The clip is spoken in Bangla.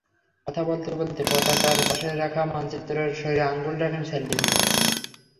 কথা বলতে বলতে পতাকার পাশে রাখা মানচিত্রের শরীরে আঙুল রাখেন সেলিম।